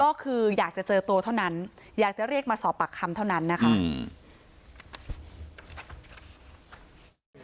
ก็คืออยากจะเจอตัวเท่านั้นอยากจะเรียกมาสอบปากคำเท่านั้นนะคะอืม